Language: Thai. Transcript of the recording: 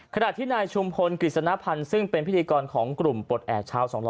ขณะที่นายชุมพลกฤษณภัณฑ์ซึ่งเป็นพิธีกรของกลุ่มปลดแอบชาวสองล้อ